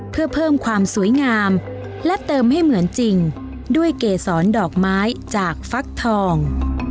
เพื่อเพิ่มความสวยงามและเติมให้เหมือนจริงด้วยเกษรดอกไม้จากฟักทอง